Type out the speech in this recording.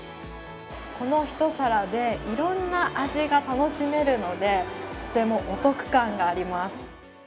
この一皿でいろんな味が楽しめるのでとてもお得感があります。